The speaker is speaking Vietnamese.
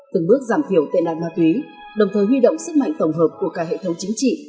từng bước giảm thiểu tệ nạn ma túy đồng thời huy động sức mạnh tổng hợp của cả hệ thống chính trị